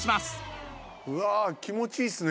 うわあ気持ちいいっすね。